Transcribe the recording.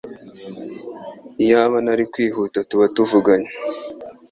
Iyaba ntari kwihuta tuba tuganiriye!